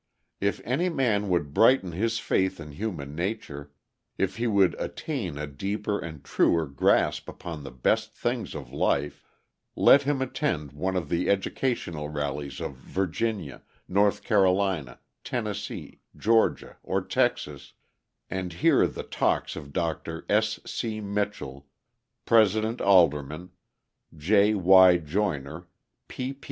If any man would brighten his faith in human nature, if he would attain a deeper and truer grasp upon the best things of life, let him attend one of the educational rallies of Virginia, North Carolina, Tennessee, Georgia, or Texas, and hear the talks of Dr. S. C. Mitchell, President Alderman, J. Y. Joyner, P. P.